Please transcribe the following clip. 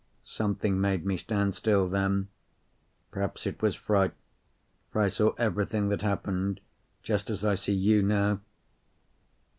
Something made me stand still then. Perhaps it was fright, for I saw everything that happened just as I see you now.